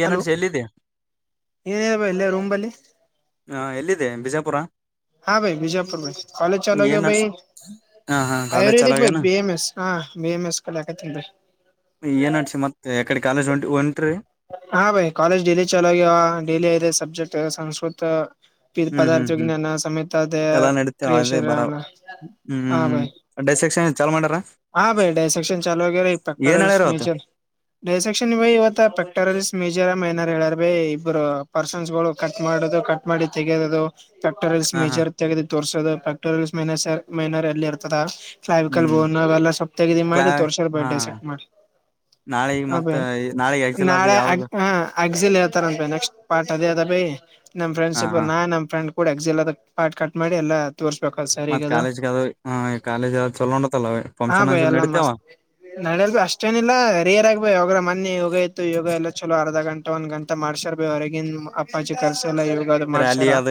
ಏನ್ ಹಲೋ ನಡ್ಸಿ ಎಲ್ಲಿದೆ ಏನಬೇಕ ಇಲ್ಲ ರೂಮಲ್ಲಿ [inaudible] ಹ ಎಲ್ಲಿದೆ ಬಿಜಾಪುರ [inaudible] ಹಾ, ಭೈ, ಬಿಜಾಪುರ, ಬೈ, ಕಾಲೇಜ್, ಏನ್ ಚಂಗಿಬೈ. ನಡ್ಸಿ ಹ ಹಾ [inaudible] ಕಾಲೇಜ್ ಆಯುರ್ವೇದಿಕ್, ಚಲಾಗೇನ ಬಿ ಎಂ ಎಸ್ ಹ ಬಿ ಎಂ ಎಸ್ ಕಲಾಕೃತಿನಿರಿ. [unintelligible] ಏನ್, ಅಡ್ಸಿ ಮತ್ತೆ! ಎಕಡೆ ಕಾಲೇಜ್ ಒಂಟ, ಹೊಂಟರಿ. [inaudible] ಹಾ ಭೈ ಕಾಲೇಜ್ ಡೈಲಿ ಚಲೋಾಗಿ ಡೈಲಿ ಸಬ್ಜೆಕ್ಟ್ ಸಂಸ್ಕತ್ [inaudible] ಹ್ಮ್ ಹ್ಮ್ ಪದಾರ್ಥ ವಿ ಹ್ಮ್ ಜ್ಞಾನ ಸಮೇತ ಅದ ಎಲ್ಲಾ ನಡೀತ ಅದೇ ಕ್ರಿಯಶರ ಹ ಭಾಯ್ [inaudible] ಡೈ ಸೆಕ್ಷನ್ ಚಲ್ ಮಾಡಾರ [inaudible] ಹಾ ಭೈ ಡೈಸಕ್ಕ್ಷನ್ ಚಾಲೋ ವಗರ ಪೆಕ್ಟೋಲ್ ಹೇಳ್ಯಾರ ಅವತ್ತು ಮೇಜ ೈಸಕ್ಕ್ಷನ್ ಪೆಕ್ಟೋ [inaudible] ಮೇಜರ್ ಮೈನರ್ ಹೇಳಾರ ಭ ಇಬ್ಬರು ಪರ್ಸನ್ಸ್ ಗಳು ಕಟ್ ಮಾಡದು ಕಟ್ ಮಾಡಿ ತೆೆಗೆರದು [inaudible] ಪಫಕ್ಟೋರಿಯಲ್ಸ್ ಹ ಹಾ ಮೇಜರ್ ತೆಗೆದು ತೋರ್ೋದು ಪ್ಯಾಕ್ಟೋರಿಯಲ್ಸ್ ಮೈನ ಮೈನರ್ ಎಲ್ಲಿ ಇರ್ತದೆ ವಿಕಲ್ ಹ್ಮ್ ಬೋನ್ [inaudible] ಎಲ್ಲ ಸಪ್ತಗ ಕ್ಲಾ ಮಾಡಿ ತೋರ್ಸೋ ಹಾ ಬೇ ಚೆಕ್ ಮಾಡಿ ನಾಳಿಗ್ [inaudible] ಹಬ ಮತ್ತ ನಾಳಿಗ್ ಆಕ್ಚುಲ್ ಅದು ನಾಳೆ ಯಾವ್ದು ಹ [inaudible] ಅಗ್ಸಿಲ್ ಹೇತಾರನ್ ನೆಕ್ಸ್ಟ್ ಪ್ಟ ಅದ ಅದ ಪಿ ನಮ್ಮಫ್ರೆಂಡ್ ಹಾ ಶಿಪ್ ಹಾ ನ ನಮ್ಮ ಫ್ರೆಂಡ್ [inaudible] ಕೊಡುಯೆಕ್ಸು, ಇಲ್ಲ, ಕಟ್, ಮಾಡಿ, ಎಲ್ಲ. [inaudible] ಮತ್, ಕಾಲೇಜ್ಗದ, ಹು, ಕಾಲೇಜ್ ಅ ಚಲೋಟತ್ತಲೇವೇ. [inaudible] ಹಾ, ಭಯ, ಎಲ್ಲ ಮಸ್ತ್. [inaudible] ನಡೆಯಲಿದ್ದು, ಅಷ್ಟೇನಿಲ್ಲಾ ರಿಯಾಯಗಿ, ಭ ಯಾಗ್ರ, ಮೊನ್ನೆ, ಯೋಗ ಇತ್ತು ಯೋಗ ಎಲ್ಲ ಚಲೋ. [inaudible] ಅರ್ಧ, ಗಂಟೆ, ಒಂದುಗಂಟೆ, ಮಾಡಸರ್, ಭ ಹೊರಗಿನ, ಅಪ್ಪಾಜಿ, ಕಲ್ಸ. [unintelligible] ಅತಿಕೊಳೊಂದು, ಇಲ್ಲಿಗೋದು, ರ್ಯಾಲಿ ಮಾಡ್ಸಾರ!, ಅದ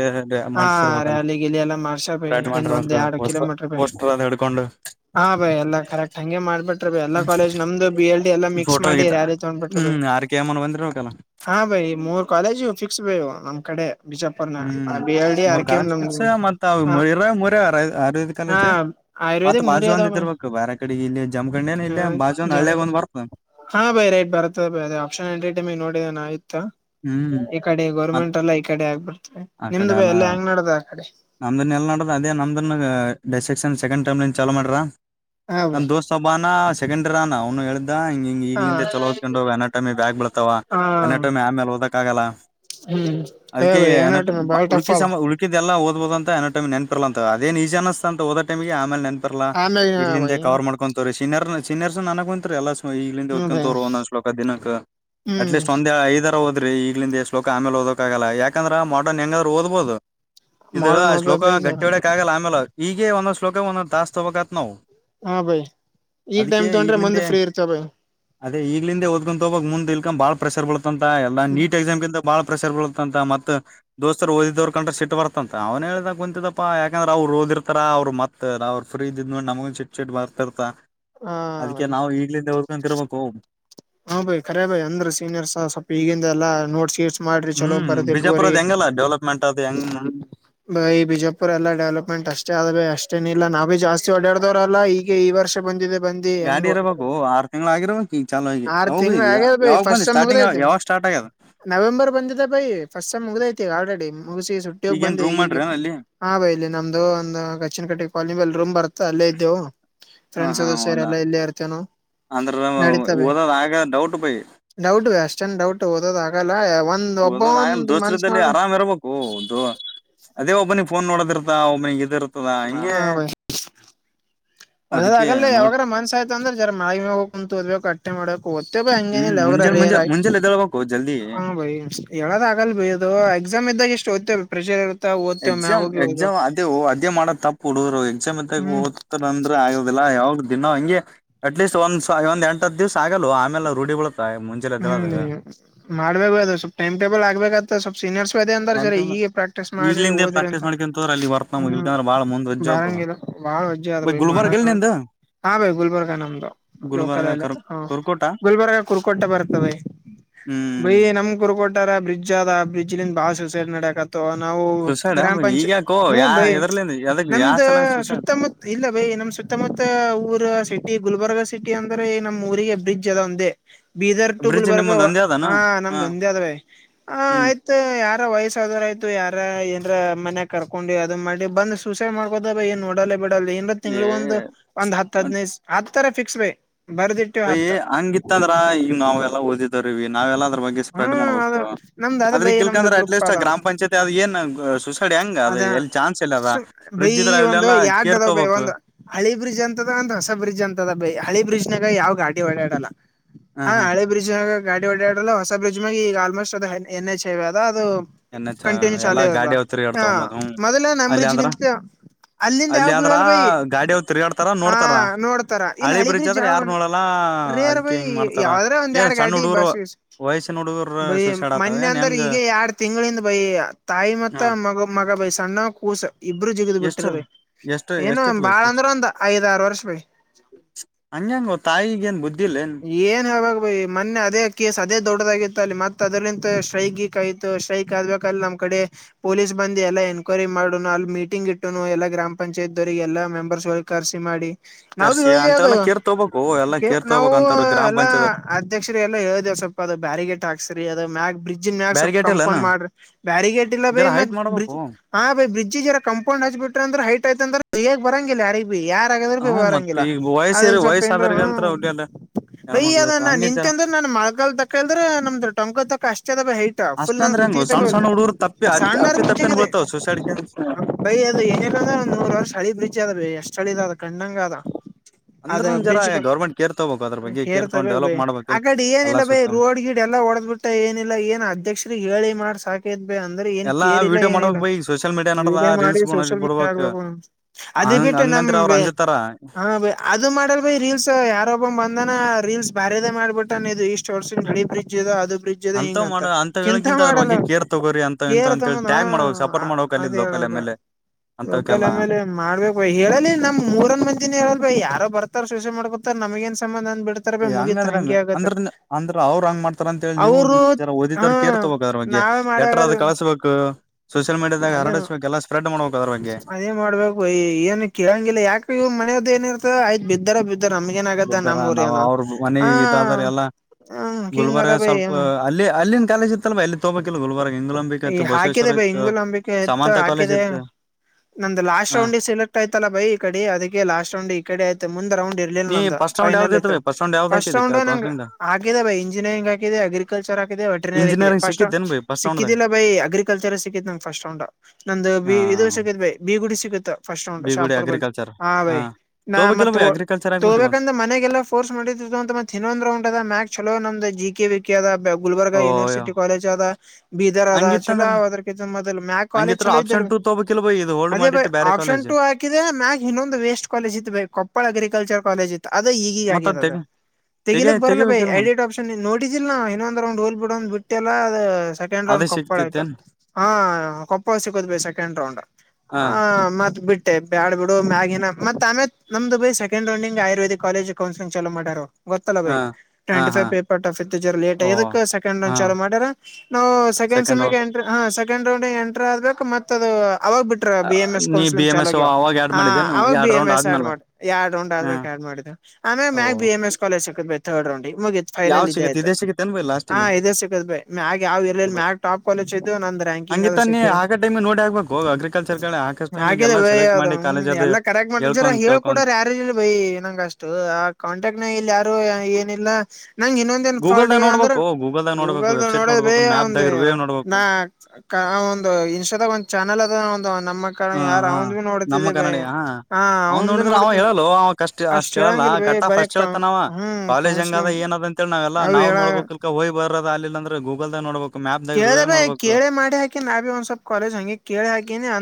ಹ ಮಾಡ್ಸಿರ್ಬೇಕಲ್ಲ ರ್ಯಾಲಿ, ಗಿಲಿ, ಎಲ್ಲ ಮಾಡ್ಸಾರ, ರ್ಯಾಲಿ ಇಲ್ಲಿಂದ ಮಾಡಿರ್ಬೇಕು ಒಂದು, ಎರಡು ಪೋಸ್ಟರ್ ಕಿಲೋಮೀಟರ್. [inaudible] ಪೋಸ್ಟರ್, ನಾಡಿಕೊಂಡು. [inaudible] ಹಾ, ಭೈ, ಎಲ್ಲ, ಕರೆಕ್ಟ್, ಹಂಗೆ ಮಾಡುಬಿಟ್ರೆ, ಭೈ ಎಲ್ಲ ಕಾಲೇಜ್! ನಮ್ದು, ಬಿ, ಎಲ್, ಡಿ. ಎಲ್ಲ ಮಿಕ್ಸ್, ಮಾಡಿ, ರ್ಯಾಲಿ, ತಗೊಂಡ್ ಬಿಟ್ಟರುಬೈ. [inaudible] ಅದುಕ್ಕೆ, ಏನುಮಾಡೋಮ್ಮ. [inaudible] ಹಾ, ಬೈ, ಮೂರ್ ಕಾಲೇಜು, ಫಿಕ್ಸ್, ಬೈ, ನಮ್. [inaudible] ಬಿಜ್ಜಾಪುರನ್ನ, ಹ್ಮ್ ಅಬಿ, ಹಾ, ಹೇಳಿ, ಮೂರ್ ಆರ್ಕಮ್ ಕಾಲೇಜ್ ನಮು, ಫಿಕ್ಸ್ ಮತ್ ಅವ್ ಹ, ಮೂರ ಮೂರ ಹ. [unintelligible] ಇರೋದೇ, ಮೂರೇಧವ. [inaudible] ಇದರುಬೇಕು, ಬೇರೆ, ಕಡೆಗೆ ಇಲ್ಲಿ ಜಮಖಣ್ಣೇನು ಇಲ್ಲ ಬಾಜುನು, ಜಮ್ ಹಳ್ಳಿಯಾಗ, ಒಂದು, ಬರುತ್ತೆ. [inaudible] ಹಾ, ಬೈ ರೈಟ್, ಬರುತ್ತೆ ಆಪ್ಷನ್, ನೋಡಿದೆ, ನಾ. [inaudible] ಆ, ಹ್ಮ್ ಈ, ಕಡೆ, ಮತ್ ಗೌರ್ಮೆಂಟ್, ಎಲ್ಲಾ, ಈ ಕಡೆ, ಆಗಿಬಿಡ್ತು, ಆ ಕಡೆ ನಿಮ್ದು, ಬೈ, ಎಲ್ಲ, ಹೆಂಗ್, ನಾಡಿದ್ದು ಆ ಕಡೆ.. [inaudible] ನಮ್ದನ್, ಎಲ್, ನಾಡಿದು, ಅದೇ ನಮ್ದನ್ ಡೈಸೆಕ್ಷನ್ ಸೆಕೆಂಡ್ ಟರ್ಮನ್, ಚಲೋ, ಮಾಡ್ರ. [inaudible] ಹಾ ಬೈ ನಾನು, ದೋಸ್ತ, ಒಬ್ಬ, ಅವನ, ಸೆಕೆಂಡ್ರ, ಅವನಾ, ಅವನು, ಹೇಳಿದು. [inaudible] ಹೌದ, ಹಿಂಗು, ಹಿಂಗು, ಹಾ ಈಗ್ಲಿಂದ! ಚಲೋದ್ಕೊಂಡ್, ಅ, ಟೈಮಿ ಇಧುಯಾಗಿಬಿಡುತವ, ಹಾ ಆಮೇಲೆ ಓದಕ ಆಗಲ್ಲ. ಹ್ಮ್ [inaudible] ಹೇ ಅದಕ್ಕೆ, ಬೈ ಏನಾಟ ಬಾಳ ಟಫ್ ಉಳ್ಕಿ, ಅದ ಸಮನು, ಉಳಕಿದ್ದಲ್ಲಾ! ಒದು.. [inaudible] ಹೋಗುಬೋಹುಧುಅಂತೇ, ಅನುಟೈಮ್, ನೆಪಿಲ ಅಂತ, ಅದೇಜ ಅನ್ತ ಅಂತದಟೈಮಿಗೆ ಆ. ನೆಪ.. [inaudible] ಬರುಲ್ಲಾ, ಆಮ್ಯಾಗ ಬೈ ಇವ್ಯಾಗುಯೆಂಧಲೆ, ಕವರ್ ಮಾಡ್ಕೊಂತವ್ರೀ, ಸೀನಿಯರ್, ಸೀನಿಯರ್ಸ್, ಹೇಳನಂಗೇಬಂತುರಿ. [inaudible] [inaudible] ಈಗಲೀಧಲೇ, ಹ್ಮ ಬೈ ಹೊದ್ಕೊಂತರಾ! ಒಂದುಒಂದು ಸೊಕ್ಕ ಒಂದೊಂದು, ಅಟ್ ಹ್ಮ್ ಲೀಸ್ಟ್ ಒಂದ್ ಐದರ.. [inaudible] ಅಂದ್ರಿ, ಈಗ್ಲಿಂದ ಶ್ಲೋಕ ಆಮೇಲೆ ಓದಕಕ್ಕಾಗಲ್ಲ ಯಾಕಂದ್ರೆ! ಮಾಡ್ರನ್, ಹೆಂಗಾದ್, ಓದುಬೋಹುಬು. [inaudible] ಇದು, ಆ, ಮಾಡೋಣ ಓದ್ ಶ್ಲೋಕ ಬೈ ಗಟ್ಟಿ! ಜರಾ ಹೊಡಕ್ ಆಗಲ್ಲ ಆಮೇಲೆ ಈಗೇ ಒಂದಂದುಸಾಕಾ, ಒಂದ ತಸ್ ತಗೋಬೇಕತ್ತತ್ ನಾವು. [inaudible] ಹೂ, ಭೈ, ಈಗ ಟೈಮ್ ಅದಕ್ಕೆ ತಗೊಂಡ್ರೆ! ಮುಂದೆ, ಈಗ್ಲಿಂದೆ ಫ್ರೀ ಇರುತ್ತೆ, ಬೈ. [inaudible] ಅದೇ ಇವಗಾಂಧಲೆ, ಓದುಕೋನೂತ, ಹೋಗ್ಬೇಕು, ಮುಂದೇ, ಇಲಿಕ್ಕಾ, ಬಾಳ, ಪ್ರೆಷರ್, ಬಳತಂತ, ಎಲ್ಲಾ ನೀಟ್, ಎಕ್ಸಾಮಗಿಂತ ಎಕ್ಸಾಮ್ಂತ. [inaudible] ಬಾಳ, ಪ್ರೆಷರ್, ಬೀಳತ್ತ, ಅಂತ, ಮತ್ತೆ, ದೋಸ್ತರ್, ಓದಿದವರು, ಕಂಡ್ರೆ, ಸಿಟ್, ಬರುತ್ತೆ. [inaudible] ಬರುತ್ವಂತ, ಅವ್ನು, ಹೇಳಿದ ಕುಂತಿದಪ್ಪ ಯಾಕಂದ್ರ! ಅವ್ರು, ಓದಿತಾರ, ಅವ್ರ ಮತ್ ಅವ್ರ ಫ್ರೀ ಇದ್ ನಮಗ ಚಿಟ್, ಚಿಟ್ಟು, ಬರುತ. [inaudible] ಬರುತ್ತಾರುತಾ, ಹಾ ಬೈ ಅದಕ್ಕೆ ನಾವು ಈಗ್ಲಿಂದ, ಹೋಧುಕೋಬೆಕ್ಕು. [inaudible] ಹಾ, ಭೈ, ಖರೇ, ಬೈ, ಅಂದ್ರ ಸೀನಿಯರ್ಸ್, ಸ್ವಲ್ಪ ಈಗಿಂದ, ಎಲ್ಲಾ, ನೋಡ್, ಇಟ್ಟು, ಮಾಡ್ರಿ ಚಲೋ, ಬರದ, ಇಟ್ಗೋರಿ. [inaudible] ಮಾತುಎಡುಧೇಯೆಂಗೂ. [inaudible] ಬೈ, ಬಿಜಾಪುರ್, ಎಲ್ಲಾ ಡೆವಲಪ್ಮೆಂಟ್! ಅಷ್ಟೇ ಆದ, ಬೈ, ಅಷ್ಟೇನ, ಇಲ್ಲ, ನಾವಿ, ಜಾಸ್ತಿ ಓಡಿಯೊಡಾಧವರು, ಈಗ, ಈ ವರ್ಷ. ಬಂದಿದೆ.. [inaudible] ಗಾಡಿ, ಹೆಂಗ್ ಇರಬೇಕು, ಓಡಾಡೋದು ಆರು, ತಿಂಗಳು, ಆಗಿರ್ಬೇಕು ಈ, ಚ. [inaudible] ಹಾ, ಜೀ, ಆರ್ ಯಾವಾಗೂ, ತಿಂಗ್ಳ ಇದೆ, ಆಗ್ಯದ ಬೈ ಯಾವಾಗ ಫಸ್ಟ್ ಬಂದಿ ಸೆಮ್ ಸ್ಟಾರ್ಟಿಂಗ್! ಮುಗ್ದೈತಿ ಯಾವಾಗ, ಸ್ಟಾರ್ಟ್, ಹಾಗ್ಯಧಾ.. [inaudible] ನವೆಂಬರ್, ಬಂದಿದೆ, ಬೈ, ಫಸ್ಟ್, ಸೇಮ್, ಮುಗ್ದೈತಿ! ಈಗ, ಆಲ್ರೆಡಿ, ಮುಗಿಸಿ, ಸುಟ್ಟಿ, ಹೋಗಿ, ಈಗೇನ್ ಬಂದೆ ರೂಮ್ ಈಗೀಗ. ಮಾಡ್ರಿ ಏನ್ ಅಲ್ಲಿ [inaudible] ಹಾ, ಬೈಲಿ ನಮ್ದು ಒಂದು ಕಚ್ಚಿನ್ ಕಟ್ಟೆ ಕಾಲಿ, ಬೆಲ್ಲು. [inaudible] ಹ, ಹಾ, ಅದು ಒಂದ, ಸೇರೆಲ್ಲ ಇಲ್ಲೇ ಇರ್ತೇವ್ ನಾವು ಅಂದ್ರ, ನಾವು, ನಡೀತಾ ಬೈ ಒಧವಾ. [inaudible] ಹಾಗ, ಡೌಟ್ ಬೈ.. [inaudible] ಚಂದ, ಡೌಟ್, ಓದದು, ಆಗಲ್ಲ. [inaudible] ಓಡಾಡ್ಹ, ಆ ಒಂದ್ ಮನ್ಸ್ ದೋಸ್ರದಲ್ಲಿ ಮಾಡ್ರ ಆರಾಮ್ ಇರ್ಬೇಕುದು. [inaudible] ಅದೇ, ಒಬ್ಬನಿಗೆ ಫೋನ್, ನೋಡೋದಿರ್ತಾ ಒಬ್ಬನಿಗೆ, ಇದು, ಇರ್ತದ, ಹಾಂಗೆ. [inaudible] ಹೋಗುವಾದರಳಿ, ಯಾಗಲಿ, ಮನ್ಸ ಆಯ್ತು, ಅಂದ್ರ, ಜರ, ಮಿ, ಮ, ಕುಂತ, ಹೊದ್ಬೇಕು, ಕಟ್ಟೆ ಮಾಡಕ್. [inaudible] ಹೊಟ್ಟೆಬೇರಿ, ಹ್ಮ್ ಹಂಗುಎನುಯೆಲ್ಲಾ, ಅವರ ಮುಂಜಾಲ್ ಮುಂಜೆ ರೇರ್, ಯೈ. ಮುಂಜಾಲೆ ಎದ್ದೇಳ್ಬೇಕು [inaudible] ಜಲ್ದಿ ಹಾ, ಭೈ, ಹೇಳದಾಗಲ್, ಬೈ, ಅದು ಎಕ್ಸಾಮ್! ಇದ್ದಾಗ, ಎಷ್ಟುಯ್ತೇ, ಪ್ರೆಷರ್, ಇರುತ್ತೆ. [inaudible] ಎಕ್ಸಾಮ್, ಎಕ್ಸಾಮ್, ಅದೇ, ಅದೇ, ಮಾಡದು ತಪ್ಪ, ಹುಡುಗರು, ಎಕ್ಸಾಮ್, ಇದಾಗ, ಹ್ಮ್ ಓದ್ತಾರ ಅಂದ್ರೆ, ಆಗದಿಲ್ಲಾ, ಯಾವ. [inaudible] ದಿನ, ಹಂಗೆ ಅಟ್ಲೀಸ್ಟ್! ಒಂದ್, ಒಂದ, ಎಂಟು ಹತ್ತು, ದಿವ್ಸ, ಆಗಲ್ಲ, ಆಮೇಲೆ, ರೂಢಿಗಳು. [inaudible] ಹ್ಮ್, ಮಾಡಲೆಬೆಕ್ಕೂ, ಅ ಸ್ವಲ್ಪ್, ಟೈಮ್ ಟೇಬಲ್, ಆಗ್ಬೇಕತ್, ಸ್ವಲ್ಪ್ ಸೀನಿಯರ್ಸ್. [inaudible] ದೆ ಅಂದ ಟೈಮ್ ಜರಿ ಟೇಬಲ್ ಈಗ ಪ್ರಾಕ್ಟೀಸ್ ಮಾಡ್ರಿ ಈಗ್ಲಿಂದೆ ಓದ್ರಿ ಪ್ರಾಕ್ಟೀಸ್ ಅಂತ ಮಾಡ್ಕೊಂತೋದ್ರ ಅಲ್ಲಿ ವರ್ಕ್ ನಮಗ್ ಹೂ ಇಲ್ಕಂದ್ರ ಬಾಳ ಮುಂದ್ ವಜ್ಜ ಆಗ್ತದ ಬರಂಗಿಲ್ಲ ಬಹಳ ಒಜ್ಜಿದ ಬೈ ಮಾಡ ಗುಲ್ಬರ್ಗ ಎಲ್ ಕ ನಿಂದು ಹಾ ಭೈ್ ಗುಲ್ಬರ್ಗ ನಮ್ದು ಗುಲ್ಬರ್ಗ ಲೋಕಲ್ ಅಲ್ಲಿ ಕರ್ ಹ ಕುರ್ಕೋಟ ಗುಲ್ಬರ್ಗ ಕುರ್ಕೊಟ್ಟೆ ಬರ್ತದೆ ಹ್ಮ್ ಬೈ ನಮ್ ಕುರ್ ಕೊಟ್ಟಾರ ಬ್ರಿಡ್್ ಆದದ ಆ ಬ್ರಿಡ್ಜ್ಂದ ಬಾಳ ಸ ಸೈಡ್ ನಡಕತ್ತ ನಾವು ಸುಸೈಡ್ ಗ್ರಾಮ ಈಗ ಪಂಚಾಯತ್ ಯಾಕೋ ಹೂ ಯಾ ಬೈ ಎದರ್ಲಿಂದ ಎದಕ್ ಯಾವ ನಮ್ದ ಸಲ ಸುಸೈಡ್ ಸುತ್ತಮುತ್ತ ಇಲ್ಲ ಬೈ ನಮ್ ಸುತ್ತಮುತ್ತ ಊರ ಸಿಟಿ ಗುಲ್ಬರ್ಗ ಸಿಟಿ ಅಂದ್ರೆ ನಮ್ಮ್ ಊರಿಗೆ ಬ್ರಿಜ್ ಅದ ಒಂದ ಬ್ರಿಡ್ಜ್ ಗುಲ್ಬರ್ಗ ನಿಮ್ಮದ್ ಒಂದೇ ಅದಾನ ಆ ಹಾ ನಮ್ದು ಒಂದೇ ಆದ್ ಆ ಹ್ಮ್ ಆಯ್ತು ಯಾರ ವಯಸ್ಸಾದಾರ ಆಯ್ತು ಯಾರಏ ಮನೆ ಕರ್ಕೊಂಡು ಅದು ಮಾಡಿ ಬ್ ಸೂಸೈಡ್ ಮಾಡ್ಕೋತ ಬನ್ ನೋಡಲ್ಲೇ ಬಿ ಇ ಏ ತಿಂಗಳು ಒಂದು ಒಂದ್ ಹತ್ ಹದ್ನ ಹತ್ತ ತರ ಫಿಕ್ಸ್ ಬೈ ಬರ್ದಿಟ್ಟಿವ ಬೈ ಹತ್ತ ಹಂಗಿತ್ತ ಅಂದ್ರ ಈಗ ನಾವ್ ಓದಿದವಿ ವಿ ನಾವೆಲ್ಲದ್ರ ಬಗ್ಗೆ ಸ್ಪ್ರೆಡ್ ಹ್ಮ್ ಅದು ಮಾಡ್ಬೇಕು ನಮ್ದ್ ಅದ ಅದ್ರ ಬೈ ನಮ್ದು ಕಿಕಂದ್ರೆ ಗ್ರೂಪ್ ಅಟ್ಲೀಸ್ಟ್ ಅದಾವ ಗ್ರಾಮ ಪಂಚಾಯತಿ ಅ್ ಏನ್ ಸುಸೈಡ್ ಹೆಂಗ ಅದ ಎಲ್ಲಿ ಚಾನ್ಸ್ ಇಲ್ಲ ಅದ ಬೈ ಫ್ರಿಡ್ಜ್ ಇದ್ರ ಅಲ್ಲಲ್ಲಾ ಕೇರ್ ತಗೋಬೇಕು ಬ್ರಿ್ ಅಂತದ ಆದ ಹೊಸ ಬ್ರಿಜ್ ಅಂತದ ಬೈ ಬ್ರಿಜ್ ಯಾವ್ ಗಾಡಿ ಓಡಾಡಲ್ಲ ಹ ಹಾ ಹಳೆ ಬ್ರಿಜ್ಾಗ ಗಾಡಿ ಓಡಾಡಲ್ಲ ಹೊಸ ಬ್ರಿಜ್ ಮೆ ಈಗ ಆಲ್ಮೋಸ್ಟ್ ಅದು ಎನ್ ಎಚ್ ಐ ಅದ ಅದು ಎನ್ಚ್ ಕಂಟಿನ್ಯೂ ಎಲ್ಲಾ ಚಾಲೂ ಇರದ ಗಾಡಿ ಹ ಹತ್ತರಿಗಡ್ತಾವ ಮದ ಮೊದಲ ನಮ್ ಅಲ್ಲಿ ಬ್ರಿಡ್ಜ್ ಅಂದ್ರ ನಿಂತ ಅಲ್ಲಿಂದ ಯಾವ್ ಅಲ್ಲಿಂದ್ರ ಬೀಳಲ್ ಬೈ ಗಾಡಿ ನಾವು ತಿರ್ಗಾಡ್ತಾರ ಹಾ ನೋಡ್ತಾರ ನೋಡ್ತಾರ ಇಲ್ಲಿ ಹಳಿ ಬ್ರಿಡ್ಜ್ ಆದಂದ್ರ ಯಾವ ಯಾರ್ ನೋಡಲ್ಲ ಹಾ ರೇರ್ ಅದಕ್ಕೆ ಬೈ ಹೆಂಗ್ ಮಾಡ್ತಾರ ಯಾವದ್ರ ಒಂದ್ ಏನ್ ಎರಡ್ ಚಾನ್ ಗಾಡಿ ಹುಡೂರು ಬಸ್ ಗೀಸ್ ವಯಸ್ಸ ಹುಡುಗರು ಬೈ ಸೂಸ್ಯಾಡ್ ಆತಾವ ಮೊನ್ನೆ ಏನ್ ಅಂದ್ರ ಹೆಂಗ ಈಗ ಎರಡ್ ತಿಂಗಳಿಂದ ಬೈ ತಾಯಿ ಮತ್ತ ಮಗ ಮಗ ಬೈ ಸಣ್ಣ ಕೂಸ ಇಬ್ರು ಜಿಗಿದ್ ಎಷ್ಟ ಬಿಟ್ಟಿ್ರ ಬೈ ಎಷ್ಟ ಏನು ಎಷ್ಟಿತ್ ಬಾಳ ಅಂದ್ರ ಐದು ಆರು ವರ್ಷ ಬೈ ಹಂಗಂಗೋ ತಾಯಿಗ ಏನ್ ಬುದ್ಧಿ ಇಲ್ಲೇನ್ ಏನ್ ಹೇಳ್ಬೇಕು ಬೈ ಮೊನ್ನೆ ಅದೇ ಕೇಸ್ ಅದೇ ದೊಡ್ಡದಾಗಿತ್ತ ಅಲ್ಲಿ ಮತ್ತೆ ಅದ್ರಂತ ಸ್ಟ್ರೈಗ್ ಆಯತು ಸ್ಟ್ರೈಕ್ ಆಗ್ಬೇಕ ನಮ್ಮ್ ಕಡೆ ಪೊಲೀಸ್ ಬಂದ ಎಲ್ಲಾ ಎನ್ಕ್ವೈರಿ ಮಾಡೂಣ ಅಲ್ಲಿ ಮೀಟಿಂಗ್ ಇಟ್ಟು ಎಲ್ಲಾ ಗ್ರಾಮ ಪಂಚಾಯತ್ವರಿಗೆ ಎಲ್ಲ ಮೆಂಬರ್ಸ್ ಕರೆಸಿ ಮಾಡಿ ನಾವು ಬಿ ಕರ್ಸಿ ಹದ ಅಂತೆಲ್ಲಾ ಕೇರ್ ತಗೋಬೇಕು ಎಲ್ಲಾ ಕೇರ್ ನಾವು ತಗೋಬೇಕು ಅಂತಾರ ಗ್ರಾಮ ಎಲ್ಲ ಪಂಚಾಯತ್ ಅಧ್ಯಕ್ಷರ ಎಲ್ಲ ಹೇಳ್ದೇವ್ ಸ್ವಲ್ಪ ಅದು ಬ್ಯಾರಿಗೇಟ್ ಹಾಕ್ಸ್ರ ಅದು ಮ್ಯಾಗ ಬ್ರಿಜನ್ ಮ್ಯಾಗ ಸ್ವಲ್ಪ ಬ್ಯಾರಿಗೇಟ್ ಇಲ್ಲೇನು ಕಂಪೌಂಡ್ ಮಾಡ್ರ ಬ್ಯಾರಿಗೇಟ್ ಇಲ್ಲ ಬೈ ಜರ ಹೈಟ್ ಮತ್ ಮಾಡ್ಬೇಕು ಬ್ರಿಜ್ ಹಾ ಬೈ ಬ್ರಿಜ್ರಾ ಕಂಪೌಂಡ್ ಹಚ್ಿಬ ಬಿಟ್ರ ಅಂದ್ರ ೈಟ್ ಆಯ್ತ ಅ್ರ ಹೇಗ್ ಬರಂಗಿಲ್ಲ ಯಾರಿಗ್ ಬಿ ಯಾರಗಾದ್ರ ಬಿ ಹ್ಮ ಮತ್ ಬರಂಗಿಲ್ಲ ಈಗ ಅದ್ ವಯಸ್ಸ ಸ್ವಲ್ಪ ಏನ್ರು ವಯಸ್ಸಾದರ್ಗಂತ್ರ [inaudible] ಬೈ ಅದ ನಾನ್ ಹಂಗೆ ಜರ ನಿಂತಂದ್ರೆ ನಾ ಮಳಗಾಲಲ್ ತಕ ಅಲ್್ರ ನಮ್ದ್ರ ಟಂಕಲ್ ತಕ್ಕ ಅಷ್ಟೇ ಅದ ಬ ಹೈಟ್ ಫುಲ್ ನನ್ ಅಷ್ಟಂದ್ರ ಕು ಹೆಂಗ ಸಣ್ಣ ಸಣ್ಣ ಹುಡುಗರು ತಪ್ಪಿ ಅಪ್ಪಿ ತಪ್ಪೇನ್ ಬಳ್ತಾವ್ ಸೂಸೈಡ್ ಬೈ ಅದು ಏನ ಅ್ರ ಒ ನೂರ್ ವರ್ಷ ಹಳಿ ಬ್ರಿಜ್ ಅದ ಎಷ್ಟ್ ಹಳಿ ಅದ ಕಂಡಂಗ ಅದ ಅದ ಅಂದ್ರನ್ ಜರ ಬ್ರಿಡ್ಜ್ ಗವರ್ಮೆಂಟ್ ಕೇರ್ ತಗೋಬೇಕು ಅ್ರ ಕೇರ್ ತಗೋಬೇಕು ಬೈ ಆಕಡೆ ಏನಿಲ್ಲ ಬೈ ಸುತ್ತ ರೋಡ್ ಗಿಡ ಎಲ್ಲಾ ಹೊಡೆದ್ ಬಿಿಟ್ಟ ಏನಿಲ್ಲ ಏನ್ ಅಧ್ಯಕ್ಷಗ್ ಹೇಳಿ ಮಾಡ ಸಾಕ ಅಂದ್ರೆ ಏನ್ ಎಲ್ಲಾ ಕೇರ್ ಇಲ್ಲ ವಿಡಿಯೋ ಏನ ಮಾಡ್ಬೇಕ್ ಇಿಲ್ಲ ಬೈ ಈಗ ಸೋಷಿಯಲ್ ಮೀಡಿಯಾ ನಡದ ವಡಿಯೋ ಮಾಡಿ ರೀಲ್ಸ್ ಸೋಷಿಯಲ್ ಮೀಡಿಯಾ ಬಿಡ್ಬೇಕ್ ಆಗ್ಬೇಕು ಹಂಗ ಅ ಹಂಗಂದ್ರ ನಮ ಅವ್ರ ಅಂಜತಾರ ಹ ಅದು ಮಾಡಲ್ ಬೈ ರೀಲ್ಸ್ ಯಾರೋ ಬಂದನ ರೀಲ್ಸ್ ಬಾರದೇ ಮಾಡ್ಬಿಟ್ಟಾನ ಇದು ಇಷ್ಟೋರ್ಸ ಗಡಿಿ್ರಿಜ್ ಇದು ಅದು ಬ್ರಿಡ್ಜ್ ಇದು ಅಂತ ಹಿಂಗಂತ ಮಾಡ ಅಂತ ಚಿಂತ ಹೇಳಕಿಂತ ಅದ್ರ ಮಾಡಲ್ಲ ಬಗ್ಗೆ ಕೇ ತಗೋರಿಿ ಅಂತ ಎಂತ ಕೇರ್ ಅಂತ ಹೇಳಿ ತಮ್ಮನ ಟಾಗ್ ಮಾಡ್ಬೇಕಕ್ ಸಪೋರ್ಟ್ ಮಾಡ್ಬೇಕಕ್ ಅಲ್ಲಿ್ ಅದ್ ಲೋಕಲ್ ಹೇಳಲ್ ಎಂ ಬೈ ಏ ಲ್ಲ ಲೋಕಲ್ ಆಮೇಲೆ ಮಾಡ್ಬೇಕು ಹೇಳಲಿ ನಮ್ ಮೂರನ ಮಂದಿನ ಹೇಳಲ್ ಬ ಯಾರೋ ಬರ್ತಾರ ಶೋಷೆ ಮಾಡ್ ಗ ನಮ್ ಏನ್ ಸಂಬಂ ಏ ಹಂಗಂದ್ರ ಹಂಗ ಅಂದ್ರ ಅಂದ್ರ ಅವ್ರರು ಹಂಗ ಮಾಡ್ತಾರ ಅಂತ ಹೇಳಿ ನೀವು ಅವರು ಜನ ಹಾ ಓದಿದವ್ರ ಕೇರ್ ತಗೋಾರ ಗೆ ನಾವೇ ಮಾಡಾಗಾದ್ರ ಎಟರದು ಕಳಸ್ಬೇಕು ಮಾಡ ಅದೇ ಹಡ ಎಲ್ಲ ಸ್ಪ್ರಡ್ ಮಾಡಿ ಅದೇ ಮಾಡ್ಬೇಕು ಈ ಏನ್ ಕೇಳಂಗಿಲ್ಲ ಯಾಕ ಮನೆಯದ್ದ ಏನಿರ್ತ ಆಯ್ತ್ ಬಿದ್ದ ಬಿದ್ದಾರ ನಾವ ಅವ್ರ ಮನೆ ಹಾ ಇದಾದ್ರ ಎಲ್ಲಾ ಹ ಹಿಂಗ ಗುಲ್ಬರ್ಗ ಅದ ಬೈ ಸ್ವಲ್ಪ ಏನು ಅಲ್ಲಿ ಅಲ್ಲಿನ ಕಾಲೇಜ್ ಇತ್ತಲ್ವಾ ಅಲ್ಲಿ ತಗೋಬಬೇಕಕಿಲ್ಲ ಗುಲ್ಬರ್ಗ ಇಂಗ್ಲಂಬಿಕ ಈ ಇತ್ತು ಹಾಕಿದೆ ಬಸವೇಶ್ವರ ಬೈ ಇತ್ತು ಇಂಗುಲಂಬಿಕೆ ಇತ್ ಸಮಾಂತ ಕಾಲೇಜ್ ಹಾಕಿದೆ ಇತ್ತು ನಮ್ದ ಲಾಸ್ಟ್ ಹಾ ರೌಂಡ್ಿಗೆ ಸೆಲೆಕ್ಟ್ ಆಯ್ತಲ್ಲ ಬೈ ಈಡೆ ಅದಕ್ಕೆ ಲಾಸ್ಟ್ ರೌಂಡ್ ಈ ಕಡೆ ಆಯ್ತ ಮುಂದ ರೌಂಡ್ ಇರ್ ನೀ ಫಸ್ಟ್ ರೌಂಡ್ ಯಾವ್ದ್ ೈನಲ್ ಇಐ ಇತ್ತು ಬೈ ರೌಂಡ್ ಯಾವ್ದ್ ಫಸ್ಟ್ ಹಾಕಿದಿ ರೌಂಡ್ ನಂಗೆ ಕೌನ್ಸಿಲಿಂಗ್ದ ಹಾಿದೆ ಇಂಜಿನಿಯರಿಂಗ್ ಹಾಕಿದೆ ಅಗ್ರಿಕಲ್ಚರ್ ಆಕದೆ ವಟ್ರದೆ ಇಂಜಿನಿಯರಿಂಗ್ ಫಸ್ಟ್ ಸಿಕ್ಕಿತ್ತೇನ್ ಬೈ ಫಸ್ಟ್ ಸಿ ರೌಂಡ್ದಾಗ ಸಿಕ್ಕಿದಿಲ್ಲ ಬೈ ಅಗ್ರಿಕಲ್ಚರ್ ಸಿಗಿತ್ ನಮ್ ಫಸ್ಟ್ ರಂಡ್ ನಮ್ದ ಹಾ ಬಿ ಇದು ಸಿತ್ ಬೈ ಬಿ ಗುಡಿ ಸಿಗತ್ ಫಸ್ಟ ರೌಂಡ್ ಬಿಗುಡಿ ಶಾಪುರ್ ಬ ಅಗ್ರಿಕಲ್ಚರ್ ಆ ಹಾ ಭೈ್ ನ ತೋಬೇಕಿಲ್ಲ ಬೈ ಮತ್ತ ಅಗ್ರಿಕಲ್ಚರ್ ಆಗ್ಬಿಟ್ಟಿ ಮತ್ ತೋಬೇಕಂದ್ರ ಮನೆಗೆಲ್ಲ ಫೋರ್ಸ್ ಮಾಡಿದ ಅಂತ ತಿನ್ವಂದ್ರ ಉಂಟ ಅ ಮ್ಯಾಕ್ ಚಛಲೋ ನಮ್ದ್ ಜಿ ಕೆ ವಿ ಕೆ ಆದದ ಗುಲ್ಬರ್ಗ ಓ ಯೂನಿವರ್ಸಿಟಿ ಕಾಲೇಜ್ ಆದ ಬೀದರ್ ಅದ ಚಲೋ ಹಂಗಿತ್ತಂದ್ರ ಅದ್ರಕ ಮದಲ್ ಮ್ಯ ಕಾಲೇಜ್ ಹಂಗಿತ್ರ ಚಲೋ ಇದ್ದಲ್ ಆಪ್ಷನ್ ಟು ತೋಬೇಕಿಲ್ ಬೈ ಇದು ಹೋಲ್ಡ್ ಅದೇ ಬೈ್ ಮಾಡಿಟ್ಟು ಬೇರೆ ಆಪ್ಷನ್ ಕಾಲೇಜ್ ಟು ಹಾಕಿದ ಮ್ಯಾಗ ಇನ್ನೊಂದು ವೇಸ್ಟ್ ಕಾಲಜ ಇತ್ತು ಬೈ ಕೊಪ್ಪಳ ಅಗ್ರಿಕಲ್ಚರ್ ಕಾಲೇಜ್ ಇತ್ತು ಅದ ಈಗೀಗ ಮತ್ತ ಅದ್ ಆಗ್ಯದ ಅದು ತೆಗಿ ತೆಗಿ ತೆಿಲಕ್ ಬರಲ್ಲ ಬೈ ತೆಗಿಬೇಕಿಲ್ ಐಡಿ ಮತ್ ಟಿ ಆಪ್ನ್ ನೋಡಿದಿಲ್ ನಾ ಇನ್ನೊಂದ್ ರೌ್ ಹಲ್ ಬಿಡ ಒ್ ಬಿಟ್ಟೆಲ್ಲ ಅ ಸೆಕೆಂಡ್ ಅದೇ ರೌಂಡ್ ಕೊಪ್ಪಳ ಆಯ್ತು ಸಿಕ್ತಿತ್ತೇನ್ ಹಾ ಕೊಪ್ಪಳ ಸಿಕ್ಕದ್ ಭ ಸೆಕೆಂಡ್ ರೌಂಡ್ ಹ ಮತ್ತ್ ಬಿಟ್ಟು ಬ್ಯಾಡ್ ಬಿಡು ಮ್ಯಾಗಿಿನ ಮತ್ತ ಆಮೆ ನಮ್ ದುಬೈ ಸೆಕೆಂಡ್ ರೌಂಡಂಗ್ ಆಯುರ್ವೇದಿ ಕಾಲೇಜ್ ಕೌನ್ಸಿಲಿಂಗ ಚಲ ಮಾಡರು [inaudible] ಗೊತ್ತಲ್ಲ ಹ ಭಯಿ ಹಾ ಟ್ವೆಂಟಿ ಹಾ ಫೈವ್ ಪೇಪರ್ ಟಿಫ ಜ ಓ ಲೇಟ್ಐದಕ್ಕೆ ಸೆಕಂಡ್ ಹಾ ರಂಡ್ ಚಾಲಲು ಮಾಡ್ತಾರ ಸೆಕಂಡ್ ಸೆಕೆಂಡ್ ಸೆಮಿಗೆ ರೌಂಡ್ ಎಂಟ್ರಿ ಹಾ ಸೆಕೆಂಡ್ ರೌಂಡ್ ಎಂಟ್ರಿ ಆಗ್ಬೇಕು ಮತ್ತ ಅದು ಅವಾಗ ಬಿಟ್ರ ಬಿ ಎಂ ಎಸ್ ನೀ ಬಿ ಕೌನ್ಸಿಲಿಂಗ್ ಎಂ ಎಸ್ ಚಾಲೋಗೆ್ಯ್ ಅವಾಗ ಆಡ್ ಹಾ ಮಾಡಿದೇನು ಅವಾಗ ಬಿ ಎರಡ್ ಎಂ ರೌಂಡ್ ಎಸ್ ಆಡ್ ಆದ್ಮೇಲೆ ಮಾಡಿ ಯಾರ್ಡ್ ರೌಂಡ್ ಹ ಆಬೇಕ ಮಾಡ ಆೇಲೆ ಓ ಮಾಗ ಬಿ ಎಂ ಎಸ್ ಕಾಲೇಜ್ ಸಿಕಥರ್ಡ್ ರೌಂಡ್ [inaudible] ಮುಗತ್ ಯಾವ್ ಫೈನಲ್ ಇದೆ ಸಿಗತ್ ಆಯ್ತು ಇದೇ ಸಿಗತ್ತೇನ್ ಬೈ ಹಾ ಲಾಸ್ಟಿಗೆ ಇ ಸಿಗತ್್ ಭ ಹಾಗ [inaudible] ಯಾವ ಾಪ್ ಕಾಲೇಜ ಇದ ನ ರ್ಯಾಂಕಿಂಗ್ ಅದು ಹಂಗಿತ್ತ ನೀ ಸಿಕ್ಕರ ಹಾಕ ಟೈಮಿಗೆ ನೋಡಿ ಹಾಕ್ಬೇಕು ಅಗ್ರಿಕಲ್ಚರ್ ಕಡೆ ಹಾಕೋ [inaudible] ಟೈಮಿಗೆ ಹಾಗಿದೆ ಎಲ್ಲ ಬೈ ಅ ಸೆಲೆಕ್ಟ್ ಮಾಡಿ ಕಾಲೇಜ್ ಅದು ಎಲ್ಲ ಕರೆಕ್ಟ್ ಮಾಡರ ಹೇಳ್ಕೊಂಡ್ ಹೇಳಕಡ ಕೇಳ್ಕೊಂಡ್ ಯಾರ ಬೈಂಗಷ್ಟು ಇಲ್ಲಿ ಯಾರು ಏನಿಲ್ಲ ನಂಂಗಗೆ ಇನ್ನೊಂದ ಏನ್ ಫಾಲ್ಟ್ ಇ ಗೂಗಲ್ದಾಗ ಅಂದ್ರೆ ನೋಡ್ಬೇಕು ಗೂಗಲ್ದಾಗ ನೋಡ್ಬೇಕು ಗೂಗಲ್ ವೆಬ್ಸೈಟ್ ನೋಡ [inaudible] ನೋಡ್ಬೇಕು ಒಂದು ಮ್ಯಾಪ್ದಾಗ ರಿವ್ಯೂ ನ ನೋಡ್ಬೇಕು ಒಂದು ಇನ್ಸ್ಟಾಗ್ರಾಮ್ ಚಾನೆಲ್ ಅದ ಒಂದು [inaudible] ಹಾ ಯಾರ ಹಾ ಅವಂದ್ ಭಿ ನಮ್ಮ ನೋಡ್ತಿದ್ದೆ ಬೈ ಕನ್ನಡಿಗ ಹಾ ಅವನ ಅವಂದು ನೋಡಿದ್ರ ಅವ ನೋಡ್ತ ಹೇಳಲ್ಲ ಅವ ಕಷ್ಟ ಅಷ್ಟ ಅಷ್ಟ್ ಹೇಳಲ್ಲ [inaudible] ಹೇಳಂಗಿಲ್ ಹ ಬೈ ಕಟ್ಟಾ ಬರೇ ಫಸ್ಟ್ ಕೌ ಹೇಳೇತ ನಾವ ಹ್ಮ್ ಕಾಲೇಜ್ ಹಂಗದ ಕೌನ್ಸ್ಲಿಂಗ್ ಏನದ ಅಂತೇಳ ನಾವಲ್ಲ ಅವು ನವು ಹೇಳ ನೋಡ್ಬಬೇಕ ಕಲಕ ಹೋಗಿ ಬರ [inaudible] ಅ್ರೆ ಗೂಗಲ್ ನೋಡ್ಬೇಕು [inaudible] ಕೇಳೆ ರಿವ್ಯೂ ಭ ನೋಡ್ಬೇಕು ಕೇಳೆ ಮಾಡಿ ಹಾಕಿ ನಾ ಭಿ ಒಂದ್ಸವಪ್ ಕರಜ್ ಹಂಗೆ ಕೇಳಿ ಹಾಕಿನಿ [inaudible]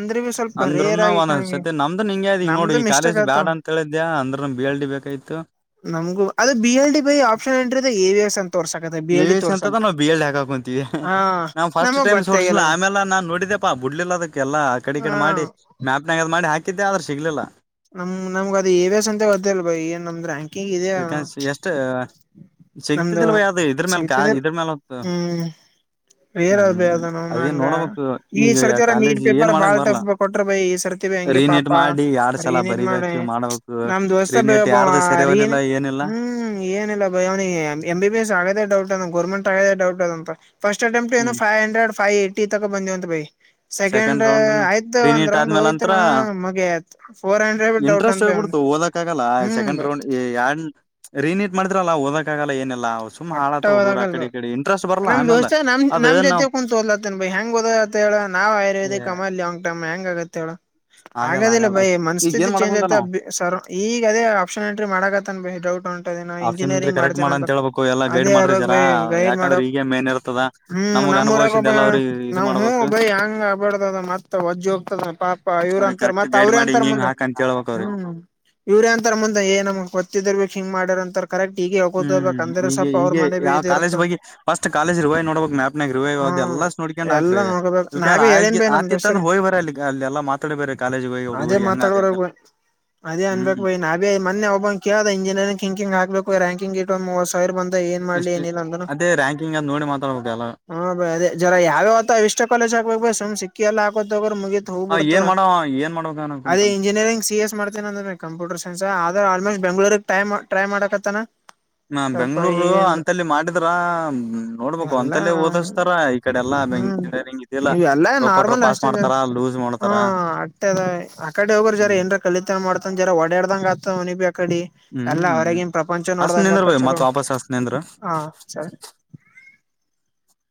ರೇರ್ ಅಂದ್ರನು ಆಗಿ ಒಂದ್ ಹಂಗೆ ಸತಿ ನಮ್ದು ಹಿಂಗಗೆ್ಯ್ ಈಗ ನೋಡಿ ನಮ್ದು ಈ ಮಿಸ್ಟೇಕ್ ಕಾಲೇಜ್ ಆಯ್ತಾವ ಬ್ಯಾಡ್ ಅಂತ ಹೇಳಿದ್ಯಾ ಅಂದ್ರನು ಬಿ ಎಲ್ ಡಿ ಬೇಕ [inaudible] ಕೈತ ನಮಗು ಅದು ಬಿ ಎಲ್ ಡಿ ಬೈ ಆಪ್ಷನ್ ಟ್ರ ಎವಿಯಸ್ ಅನ್ ತೋರ್ಸಕ ಬಿ ಎಲ್ ಡಿ ತೋರ್ಸಲ್ದು [inaudible] ನಾ್ ಫಸ್ಟ್ ನಮಗ್ ಟೈಮ್ ಸೋರ್ಸಲ ಗೊತ್ತಾಗಿಲ್ಲ ಅದು ಆಮೇಲೆ ನಾನ್ ನೋಡಿದಪ್ಪಾ ಬುಡ್ಲಿಲ್ಲ ಅದಕ್ಕೆ ಎಲ್ಲಾ [inaudible] ಕಡೆ ಹಾ ಕಡೆ ಮಾಡಿ ಮ್ಯಾಪ್ನಾಗದ್ ಮಾಡಿ ಹಾಕಿದ್ದೆ ಆದ್ರ ಸಿಗ್ಲಿಲ್ಲ ನಮ ನಮ್ಗ ಅದ ಎ ವಿ ಎಸ್ ಅಂತ ಗತ್ತಲ್ ಬ ಏನ್ ನಮ್ದ್ ರ್ಯಾಂಕಿಂಗ್ ಇದೆಯ ಇದಕ ಎಷ್ಟ ನಮ್ದು ಸಿಗ್ತದಿಲ್ವ ಯಾವ್ದು ಇದ್ರ ಮೇಲ್ ಕಾ ಶಗತ ಇದ್ರ ಮೇಲ್ ಹೊತ್ತು ಹ್ಮ್ ಬೇರ ಬೇ ಹ್ಮ್ ಅದ ನ ಅದೇನ್ ನಂಗ ನೋಡಬೇಕು ಈ ಈಗ ಸರ್ತರ ನೀಟ್ ಕಾಲೇಜ್ ಏನ್ ಪೇಪರ್ ಮಾಡಕ್ ಬಾಳ್ ಬರ್ಲ್ಲ ಕೊಟ್ರ ಬೈ ಈ ಸರ್ತಿ ಬ ಹಂಗೆ ಪಾಪ ನಾಡ್ ಸಲ ಬರಿಬೇಕು ಮಾಡಬೇಕು ನಮ ದೋಸ್ ಬಬ ಅ ರ ಏನ್ ಏನಿಲ್ಲ ಹ್ಮ್ ಏನಿಲ್ಲ ಬಯ ಅವನಿಗೆ ಎಂ ಬಿ ಎಸ್ ಆಗದೇ ಡೌಟ್ ಗರ್ಮೆಂಟ್ ಆಗದ ಡೌಟ್ ಫಸ್ಟ್ ಅಟೆಂಪ್ ಏನು ಹ್ಮ್ ಫೈ್ ಹಂಡ್ರೆಡ್ ೈವ ಏಟಿ ತ ಬಂದಂತೈ [inaudible] ಸೆಕೆಂಡ್ ರೌಂಡ್ ರಿಿನೀಟ್ ರೌಂಡ್ ಆದ್ಮೇಲ್ಂಂತತ್ರ ಹೋಗಿತ್ತಲ್ಲ [inaudible] ಮಗಿ ಆಯ್ತು ಫೋರ್ ಹಂಡ್ರೆಡ್ ಡೌಟ್ ಇಂಟ್ರೆಸ್ಟ್ ಅಂತ ಬೈ ಅವ್ನ್ ಹೋಗ್ಬಿಡ್ತು ಓದಕ ಆಗಲ್ಲ ಹ್ಮ್ ಸೆಕೆಂಡ್ ಬೈ ರೌಂಡ್ ಎ [inaudible] ರಿನೀಟ್ ಮಾಡಿದ್ರಲ್ಲಾ ಓದಕ್ಕಾಗಲ್ಲ ಏನಿಲ್ಲ [inaudible] ಮಟ್ಟ ಹಾಳಾತ ಹುಡುಗರು ಆ ಹೋದಾಗಲ್ ಬ ಕಡೆ ಈ ಕಡೆ ಇಂಟ್ರೆಸ್ಟ್ ಬರಲ್ಲ ನಮ್ ಆಮೇಲೆ ದೋಸ್ತ ನಮ್ ಅದ ನಮ್ ನಾವ್ ಜೊತೆ ಕುೂಂತತ್ ಹೋದ್ಲತ್ತನ್ ಬ ಹೆಂಗ್ ಹೋದ ಹೇಳ ನಾ ಆಯುರ್ವೇಿಕ್ ಅಮಲ್ ಲ ಆಂಗ ಟೈ್ ಹೆಂಗಗತ್ ಹೇಳ [unintelligible] [unintelligible] ಆಗದಿಲ್ಲ ಬ ಭೈ ಈಗ ಮನಸ್ಥಿತಿ ಏನ್ ಮಾಡಕ್ ಕುಂತ ಚೇಂ್ಯಐತ ನಾವ್ ಈಗ ಅದೇ ಆಪ್ಷನ್ ಎಂಟ್ರಿ ಮಾಡಕತ್ತನ್ ಭೈಿ ಡೌಟ್ ಉಂಟ ನಾ ಆಪ್ಷನ್ ಇಂಜಿನಿಯರಿಂಗ್ ಕರೆಕ್ಟ್ ಮಾಡ್ತೇನೆ ಮಾಡ ಅಂತ ಹೇಳ್ಬೇಕು ಎಲ್ಲಾ ಗೈಡ್ ಅದೇ ಮಾಡ್ರಿ ಅಾಗ ಜರಾ ಬೈ ಗೈಡ್ ಯಾಕಂದ್ರೆ ಮಾಡಕ್ ಈಗ ಮೇನ್ ಇರ್ತದ ಹ್ಮ್ ನಮಗ್ ನಮ್ಮೂರಾಗಬ ಅನುಭವಿಸಿದ್ದೆಲ್ಲ ಅವ್ರಿಗೆ ನ ಇದು ಹ ಮಾಡ್ಬೇಕು ಬೈ ಹಂಗ ಆ ಬಡ್ದದ ಮತ್ ವಜ್ಜ ಹೋಗ್ತದ ಪಾಪ ಇವ್ರ ಅವ್ರಿಗೆ ಅಂತಾರ ಕರೆಕ್ಟ್ ಮತ್ ಗೈಡ್ ಅವ್ರ ಮಾಡಿ ಅಂತಾರ ಹಿಂಗ ಹಿಂಗ್ ಮುಂದ ಹಾಕ ಅಂತ ಹೇಳ್ಬೇಕ್ ಅವ್ರಿಗೆ ಹ್ಮ ಇವ್ರೇ ಅಂತಾರ ಮಂದ ಏ ನಮ್ ಗೊತ್ತಿದರ್ಬೇಕ ಹಂಗ ಮಾಡಾರರ್ ಅಂತ ಕರೆಕ್ಟ್ ಈಗ ಹಗೋತೋಗಬೇಕಕ್ ಹ್ಮ್ ಅಂದ್ರೆ ಸ್ವಪ ಈಗ ಯಾವ ಕಾಲೇಜ್ ಬಗ್ಗೆ ಫಸ್ಟ್ ಕಾಲೇಜ್ ರಿವಾಯ್ ನೋಡ್ಬಕ್ ಮ್ಯಾಪ್ನಾಗ ರಿವಾಯ ಅ ಹ್ಮ್ ಎಲ್ಲಾ ನೋಡ್ಕೊಂಡು ಹಾಕ್ರ ಎಲ್ಲಾ ನೋಡ್ಕೋಬೇಕ್ ಇಕಂದ್ರ ನಾವೇ ಆ ಹೇಳೇನ್ ಬೈ ನಮ್ ಆತಿತ್ತ ಅಂದ್ರೆ ದೋಸ್ತರು ಹೋಗಿ ಬರ್ರ ಅಲ್ಲಿ ಅಲ್ಲಿ ಎಲ್ಲಾ ಮಾತಾಡಿ ಬರ ಕಾಲೇಜ್ ಹೋಗಿ ಅವಡ್ ಅದೇ ಊರ್ ಹೆಂಗ ಅದ ಮಾತಾಡೋರಗ್ ಹೆಂಗಲ್ಲ ಬೈ [inaudible] ಅದೇ ಅನ್ಬೇಕಕ್ ಹ್ಮ್ ಬಯ ನಾ ಮನ್ನೆ ಒಬ ಕೇಳದ ಇಂಜಿನಿಯರಿಂಗ್ ಹಿಂಕಿಂಗ ಹಾಕ್ಬೇಕು ರಕಂಿಂಗ ಇವ್ ಸಾವಿರ್ ಬಂದು [inaudible] ಇಷ್ಟು ಅದೇ ರ್ಯಾಂಕಿಂಗ್ ಅದ್ ನೋಡಿ ಮಾತಾಡ್ಬೋದ ಅಲ್ಲ [inaudible] ಹಾ ಬ ಅದೇ ಜರ ಯಾವತ ಇಷ್ಟ ಕಾಲೇಜ್ ಹಾಬೇಕ ಬ ಸುಮ್ ಸಿಕ್ಕಿ ಎಲ್ಲ ಹಕತ ಹೋಗ್ರರು ಮುಗಿತತ್ ಹೋಗ್ಬ ಬಿಡ್ತ ಏನ್ ಮಾಡವ ಏನ್ ಮಾಡ್ಬೇಕ [inaudible] ಅನ್ಕುಂತಾನ ಅದೇ ಇಂಜಿನಿಯರಿಂಗ್ ಸಿ ಎಸ್ ಮಾಡ್ತೇನೆ ಅಂದ್ರೆ ಕಂಪ್ಯೂಟರ್ ಸೈನ್ಸ್ ಆದ್ರೆ ಆಲ್ಮೋಸ್ಟ್ [inaudible] ಟ್ರಟ್ರಮಾಡಕತ್ತನ [inaudible] ನಾ ಬೆಂಗ್ಗಳೂರು [inaudible] ಅಂತಲ್ಲಿ ಮಾಡಿದ್ರ ನೋಡ್ಬೇಕು ಎಲ್ಲಾ ಅಂತಲ್ಲ ಓದಿಸ್ತಾರ ಈ ಕಡೆ ಎಲ್ಲಾ ಬೆಂಗ್ನಿಯರಿಂಗ್ [inaudible] ನೀವ ಎಲ್ಲ ನಾರ್ಮಲ್ ಅಷ್ಟೇ ಜಾರ ಹ ಮಾಡ್ತಾರ ಅಷ್ಟ ಅದ ಆ ಕಡೆ ಹೋಗರು ಜಾರ ಹ್ಮ್ ಏನ್ರ ಕಲಿತ [inaudible] ಮಾಡ್ತ ಜರ ಡಾಡ್ದಂಗ ಆತವನಿ ಬಿ ಅಕಡೆ ಎಲ್ಲ ಹ್ಮ್ ಅವ್ರಗನ್ ಪ್ರಪಂಚ ಹಸ್ ನೋಡ್ದಂಗ ನಿಂದ್ರ ಆತ ಬೈ ಚಲೋ ಮತ್ ವಾಪಸ್ ಹಸ್ ನಿಂದ್ರ [inaudible] ಹಾ ಸರಿ [inaudible]